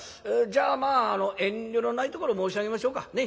じゃあ遠慮のないところ申し上げましょうか。ね？